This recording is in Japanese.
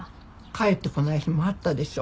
帰ってこない日もあったでしょ。